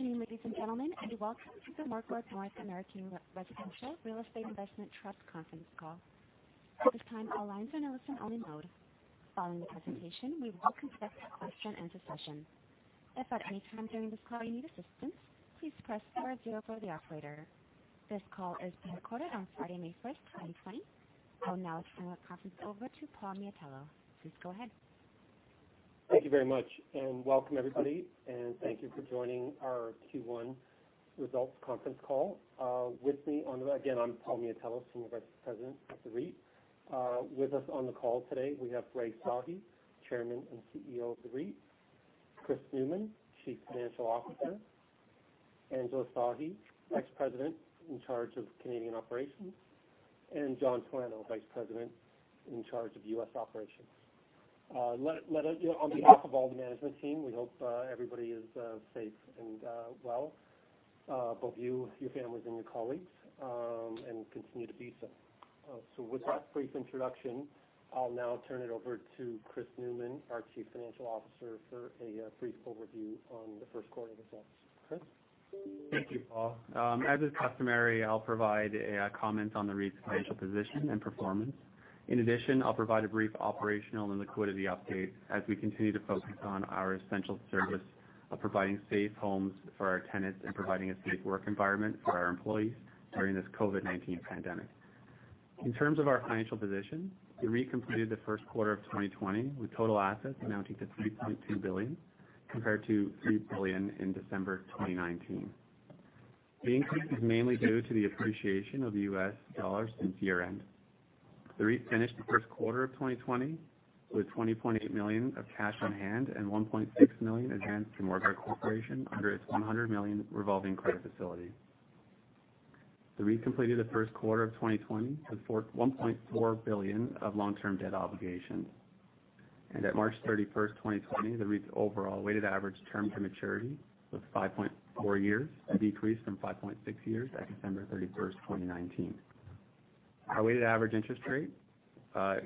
Good afternoon, ladies and gentlemen, and welcome to the Morguard North American Residential Real Estate Investment Trust Conference Call. At this time, all lines are in a listen-only mode. Following the presentation, we will conduct a question-and-answer session. If at any time during this call you need assistance, please press star zero for the operator. This call is being recorded on Friday, May 1st, 2020. I will now turn the conference over to Paul Miatello. Please go ahead. Thank you very much, and welcome everybody, and thank you for joining our Q1 results conference call. Again, I'm Paul Miatello, Senior Vice President of the REIT. With us on the call today, we have Rai Sahi, Chairman and CEO of the REIT, Chris Newman, Chief Financial Officer, Angela Sahi, Vice President in charge of Canadian operations, and John Talano, Vice President in charge of U.S. operations. On behalf of all the management team, we hope everybody is safe and well, both you, your families, and your colleagues, and continue to be so. With that brief introduction, I'll now turn it over to Chris Newman, our Chief Financial Officer, for a brief overview on the first quarter results. Chris? Thank you, Paul. As is customary, I'll provide a comment on the REIT's financial position and performance. I'll provide a brief operational and liquidity update as we continue to focus on our essential service of providing safe homes for our tenants and providing a safe work environment for our employees during this COVID-19 pandemic. In terms of our financial position, the REIT completed the first quarter of 2020 with total assets amounting to 3.2 billion, compared to 3 billion in December 2019. The increase is mainly due to the appreciation of the U.S. dollar since year-end. The REIT finished the first quarter of 2020 with 20.8 million of cash on hand and 1.6 million advanced through Morguard Corporation under its 100 million revolving credit facility. The REIT completed the first quarter of 2020 with 1.4 billion of long-term debt obligations, and at March 31st, 2020, the REIT's overall weighted average term to maturity was 5.4 years, a decrease from 5.6 years at December 31st, 2019. Our weighted average interest rate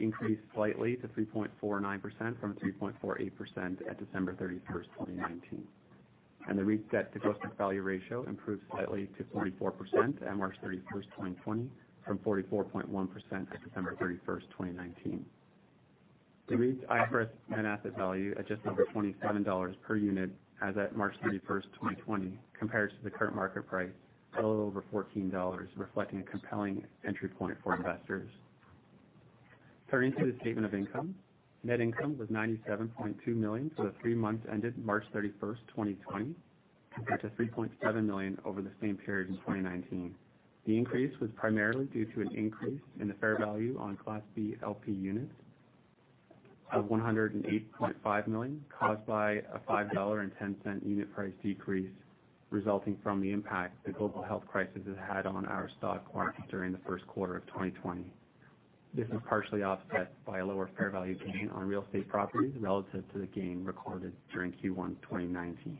increased slightly to 3.49% from 3.48% at December 31st, 2019. The REIT's debt-to-gross book value ratio improved slightly to 44% at March 31st, 2020 from 44.1% at December 31, 2019. The REIT's IFRS net asset value at just under 27 dollars per unit as at March 31st, 2020, compared to the current market price, a little over 14 dollars, reflecting a compelling entry point for investors. Turning to the statement of income, net income was 97.2 million for the three months ended March 31st, 2020, compared to 3.7 million over the same period in 2019. The increase was primarily due to an increase in the fair value on Class B LP units of 108.5 million, caused by a 5.10 dollar unit price decrease resulting from the impact the global health crisis has had on our stock market during the first quarter of 2020. This was partially offset by a lower fair value gain on real estate properties relative to the gain recorded during Q1 2019.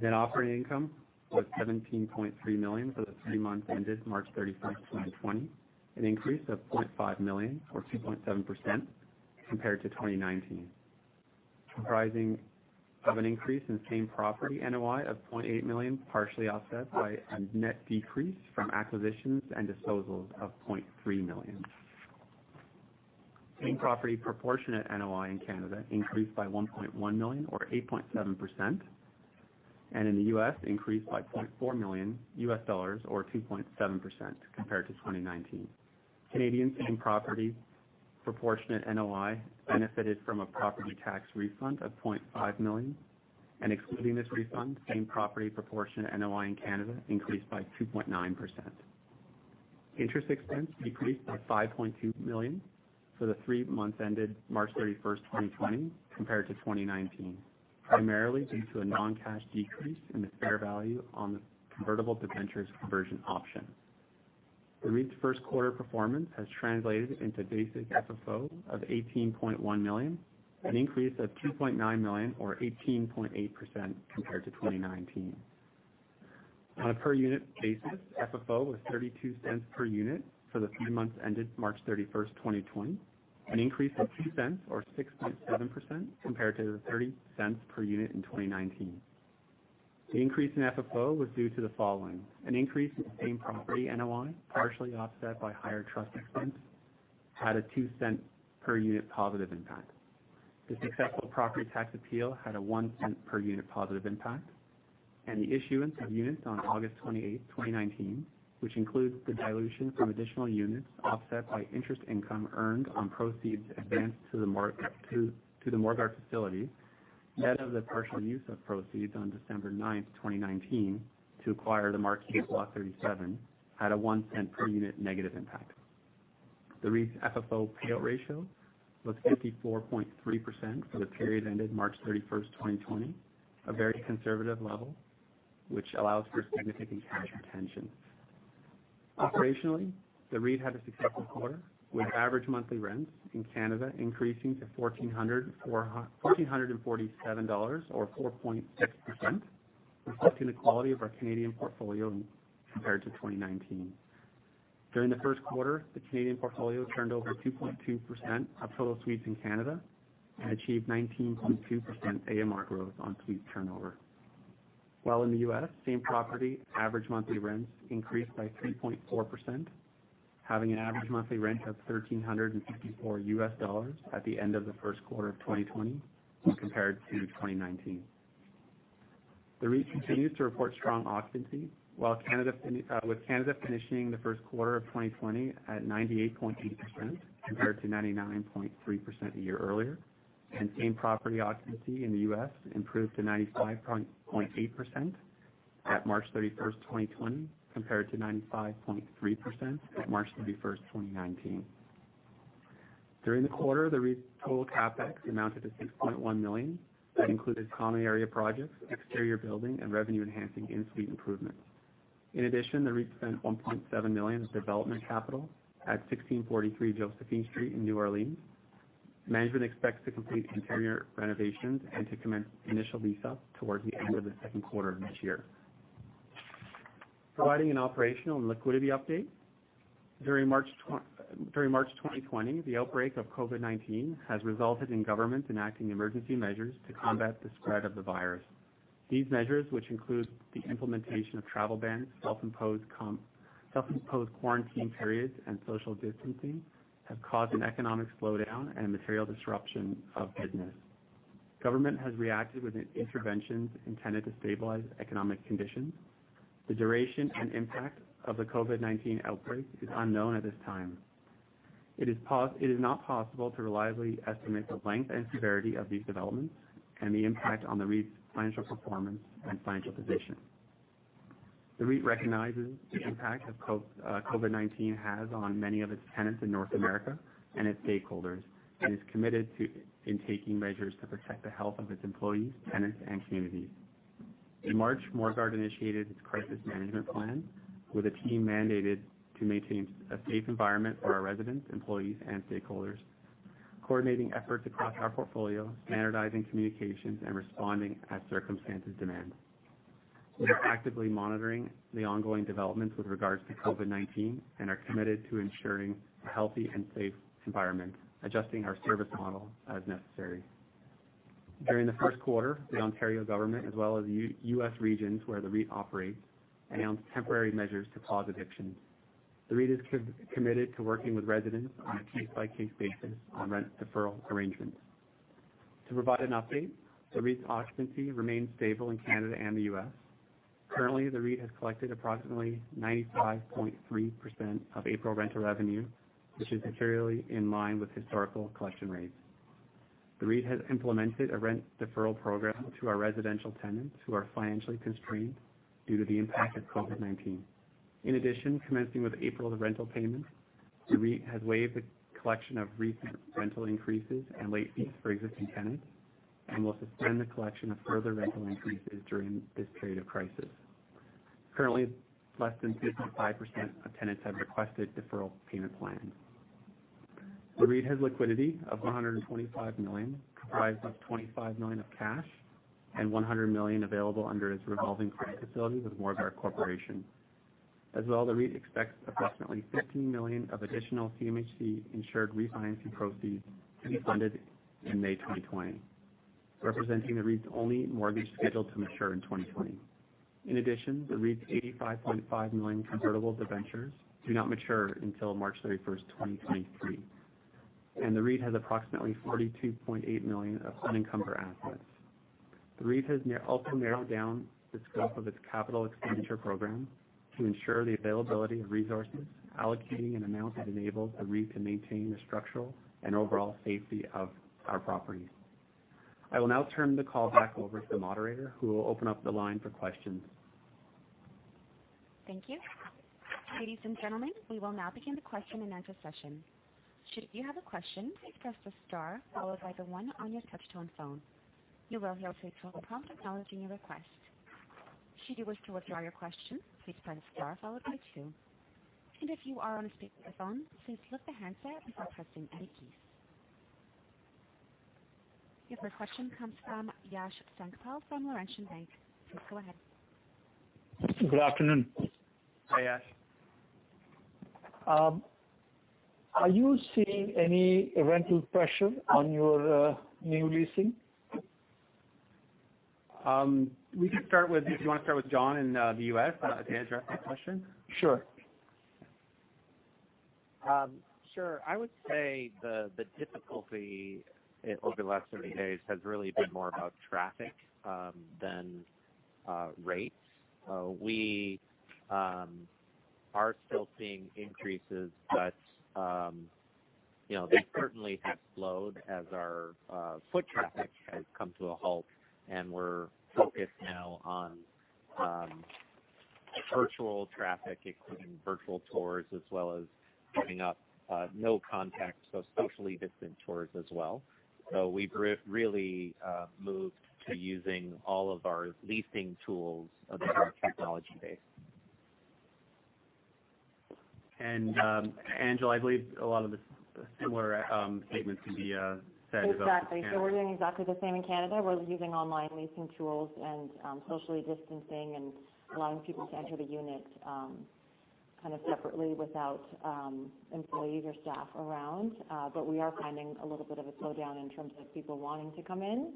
Net operating income was 17.3 million for the three months ended March 31, 2020, an increase of 0.5 million or 2.7% compared to 2019, comprising of an increase in same property NOI of 0.8 million, partially offset by a net decrease from acquisitions and disposals of 0.3 million. Same property proportionate NOI in Canada increased by 1.1 million or 8.7%, and in the U.S. increased by $4.4 million, or 2.7% compared to 2019. Canadian same property proportionate NOI benefited from a property tax refund of 0.5 million. Excluding this refund, same property proportionate NOI in Canada increased by 2.9%. Interest expense decreased by 5.2 million for the three months ended March 31, 2020 compared to 2019, primarily due to a non-cash decrease in the fair value on the convertible debentures conversion option. The REIT's first quarter performance has translated into basic FFO of 18.1 million, an increase of 2.9 million or 18.8% compared to 2019. On a per unit basis, FFO was 0.32 per unit for the three months ended March 31, 2020, an increase of 0.02 or 6.7% compared to the 0.30 per unit in 2019. The increase in FFO was due to the following: An increase in same property NOI, partially offset by higher trust expense, had a 0.02 per unit positive impact. The successful property tax appeal had a $0.01 per unit positive impact. The issuance of units on August 28, 2019, which includes the dilution from additional units offset by interest income earned on proceeds advanced to the Morguard facility, net of the partial use of proceeds on December 9, 2019 to acquire the Marquee at Block 37, had a 0.01 per unit negative impact. The REIT's FFO payout ratio was 54.3% for the period ended March 31st, 2020, a very conservative level, which allows for significant cash retention. Operationally, the REIT had a successful quarter with average monthly rents in Canada increasing to 1,447 dollars or 4.6%, reflecting the quality of our Canadian portfolio compared to 2019. During the first quarter, the Canadian portfolio turned over 2.2% of total suites in Canada and achieved 19.2% AMR growth on suite turnover. While in the U.S., same property average monthly rents increased by 3.4%, having an average monthly rent of $1,354 at the end of the first quarter of 2020 compared to 2019. The REIT continues to report strong occupancy. With Canada finishing the first quarter of 2020 at 98.8% compared to 99.3% a year earlier, and same property occupancy in the U.S. improved to 95.8% at March 31st, 2020, compared to 95.3% at March 31st, 2019. During the quarter, the REIT's total CapEx amounted to 6.1 million. That included common area projects, exterior building, and revenue-enhancing in-suite improvements. In addition, the REIT spent 1.7 million of development capital at 1643 Josephine Street in New Orleans. Management expects to complete interior renovations and to commence initial lease-up towards the end of the second quarter of this year. Providing an operational and liquidity update. During March 2020, the outbreak of COVID-19 has resulted in government enacting emergency measures to combat the spread of the virus. These measures, which include the implementation of travel bans, self-imposed quarantine periods, and social distancing, have caused an economic slowdown and material disruption of business. Government has reacted with interventions intended to stabilize economic conditions. The duration and impact of the COVID-19 outbreak is unknown at this time. It is not possible to reliably estimate the length and severity of these developments and the impact on the REIT's financial performance and financial position. The REIT recognizes the impact COVID-19 has on many of its tenants in North America and its stakeholders and is committed in taking measures to protect the health of its employees, tenants, and communities. In March, Morguard initiated its crisis management plan with a team mandated to maintain a safe environment for our residents, employees, and stakeholders, coordinating efforts across our portfolio, standardizing communications, and responding as circumstances demand. We are actively monitoring the ongoing developments with regards to COVID-19 and are committed to ensuring a healthy and safe environment, adjusting our service model as necessary. During the first quarter, the Ontario government, as well as U.S. regions where the REIT operates, announced temporary measures to pause evictions. The REIT is committed to working with residents on a case-by-case basis on rent deferral arrangements. To provide an update, the REIT's occupancy remains stable in Canada and the U.S. Currently, the REIT has collected approximately 95.3% of April rental revenue, which is materially in line with historical collection rates. The REIT has implemented a rent deferral program to our residential tenants who are financially constrained due to the impact of COVID-19. In addition, commencing with April rental payments, the REIT has waived the collection of recent rental increases and late fees for existing tenants and will suspend the collection of further rental increases during this period of crisis. Currently, less than 2.5% of tenants have requested deferral payment plans. The REIT has liquidity of 125 million, comprised of 25 million of cash and 100 million available under its revolving credit facility with Morguard Corporation. As well, the REIT expects approximately 15 million of additional CMHC-insured refinancing proceeds to be funded in May 2020, representing the REIT's only mortgage scheduled to mature in 2020. In addition, the REIT's 85.5 million convertible debentures do not mature until March 31st, 2023, and the REIT has approximately 42.8 million of unencumbered assets. The REIT has also narrowed down the scope of its capital expenditure program to ensure the availability of resources, allocating an amount that enables the REIT to maintain the structural and overall safety of our properties. I will now turn the call back over to the moderator who will open up the line for questions. Thank you. Ladies and gentlemen, we will now begin the question-and-answer session. Should you have a question, please press the star followed by the one on your touch-tone phone. You will hear a pre-recorded prompt acknowledging your request. Should you wish to withdraw your question, please press star followed by two. If you are on a speakerphone, please lift the handset before pressing any keys. Your first question comes from Yash Sankpal from Laurentian Bank. Please go ahead. Good afternoon. Hi, Yash. Are you seeing any rental pressure on your new leasing? We can start with, if you want to start with John in the U.S. to address that question. Sure. Sure. I would say the difficulty over the last 30 days has really been more about traffic than rates. They've certainly slowed as our foot traffic has come to a halt, and we're focused now on virtual traffic, including virtual tours, as well as setting up no contact, so socially distant tours as well. We've really moved to using all of our leasing tools that are technology-based. Angela, I believe a lot of the similar statements can be said about Canada. Exactly. We're doing exactly the same in Canada. We're using online leasing tools and socially distancing and allowing people to enter the unit kind of separately without employees or staff around. We are finding a little bit of a slowdown in terms of people wanting to come in.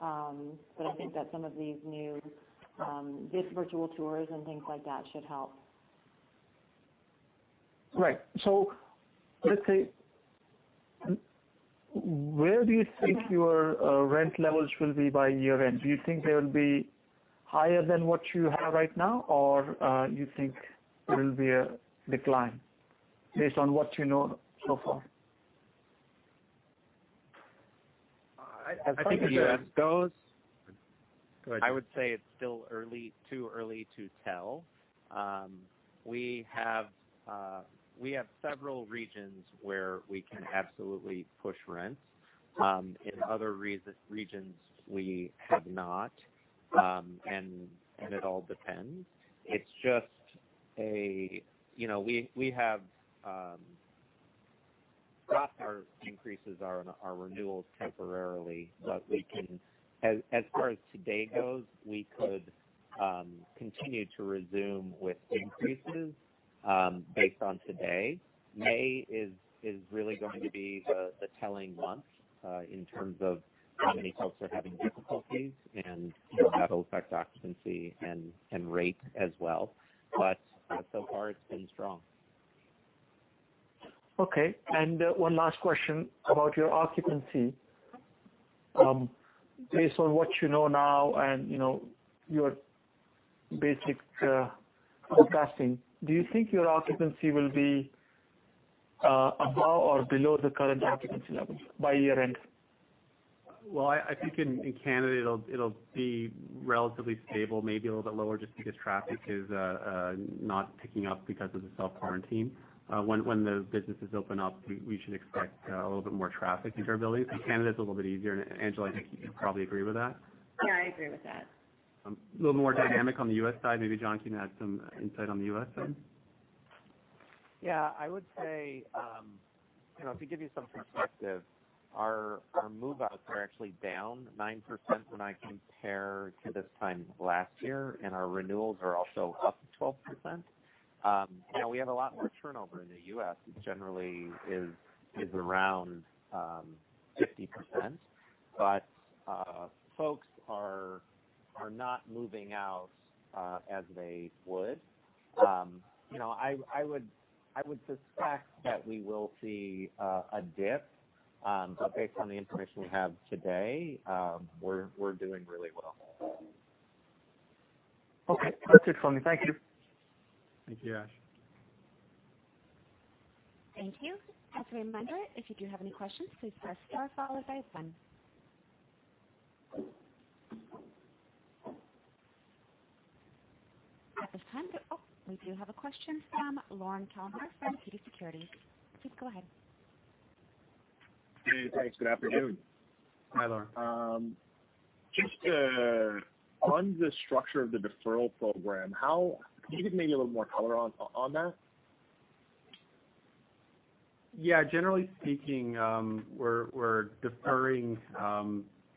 I think that some of these new virtual tours and things like that should help. Right. Let's say, where do you think your rent levels will be by year-end? Do you think they will be higher than what you have right now, or you think there will be a decline based on what you know so far? I think as the U.S. goes- Go ahead. I would say it's still too early to tell. We have several regions where we can absolutely push rent. In other regions, we have not. It all depends. We have stopped our increases, our renewals temporarily. As far as today goes, we could continue to resume with increases based on today. May is really going to be the telling month in terms of how many folks are having difficulties, and that'll affect occupancy and rate as well. So far it's been strong. Okay. One last question about your occupancy. Based on what you know now and your basic forecasting, do you think your occupancy will be above or below the current occupancy levels by year-end? Well, I think in Canada it'll be relatively stable, maybe a little bit lower just because traffic is not picking up because of the self-quarantine. When the businesses open up, we should expect a little bit more traffic into our buildings. Canada's a little bit easier, and Angela, I think you'd probably agree with that. Yeah, I agree with that. A little more dynamic on the U.S. side. Maybe John can add some insight on the U.S. side. Yeah, I would say, to give you some perspective, our move-outs are actually down 9% when I compare to this time last year, and our renewals are also up 12%. We have a lot more turnover in the U.S., it generally is around 50%, but folks are not moving out as they would. I would suspect that we will see a dip, but based on the information we have today, we're doing really well. Okay. That's it for me. Thank you. Thank you, Yash. Thank you. As a reminder, if you do have any questions, please press star followed by one. At this time, we do have a question from Lorne Kalmar from TD Securities. Please go ahead. Hey, thanks. Good afternoon. Hi, Lorne. Just on the structure of the deferral program, can you give maybe a little more color on that? Yeah. Generally speaking, we're deferring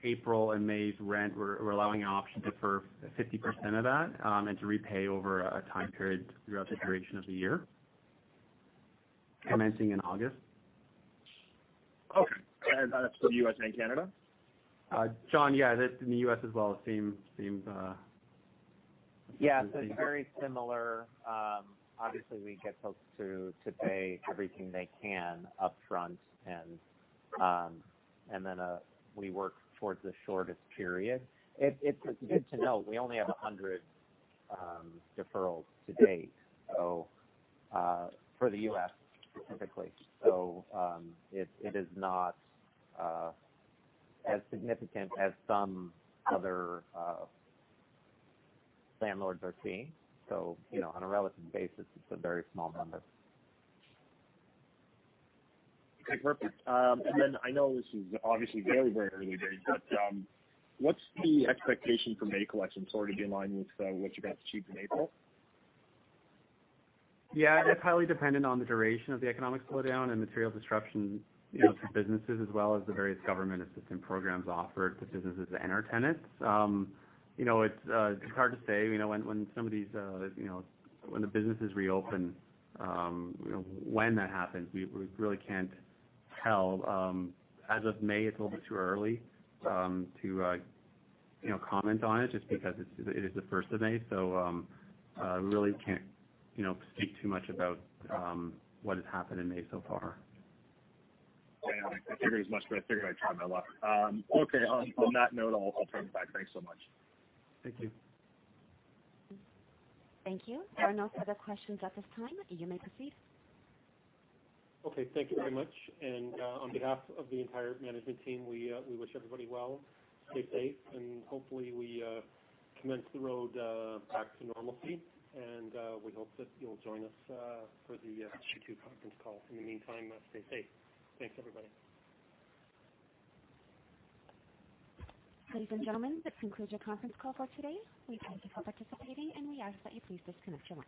April and May's rent. We're allowing an option to defer 50% of that and to repay over a time period throughout the duration of the year, commencing in August. Okay. That's for the U.S. and Canada? John, yeah, in the U.S. as well. Same thing. Yeah. It's very similar. Obviously, we get folks to pay everything they can upfront, and then we work towards the shortest period. It's good to know we only have 100 deferrals to date for the U.S. specifically. It is not as significant as some other landlords are seeing. On a relative basis, it's a very small number. Okay, perfect. I know this is obviously very, very early days, but what's the expectation for May collections? Will it be in line with what you guys achieved in April? Yeah. It's highly dependent on the duration of the economic slowdown and material disruption for businesses as well as the various government assistance programs offered to businesses and our tenants. It's hard to say when the businesses reopen. When that happens, we really can't tell. As of May, it's a little bit too early to comment on it just because it is the first of May. So, we really can't speak too much about what has happened in May so far. Yeah. I figured as much, but I figured I'd try my luck. Okay. On that note, I'll turn it back. Thanks so much. Thank you. Thank you. There are no further questions at this time. You may proceed. Okay. Thank you very much. On behalf of the entire management team, we wish everybody well. Stay safe, and hopefully we commence the road back to normalcy. We hope that you'll join us for the Q2 conference call. In the meantime, stay safe. Thanks, everybody. Ladies and gentlemen, this concludes your conference call for today. We thank you for participating. We ask that you please disconnect your lines.